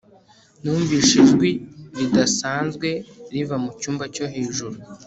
numvise ijwi ridasanzwe riva mucyumba cyo hejuru